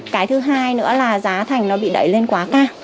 cái thứ hai nữa là giá thành nó bị đẩy lên quá cao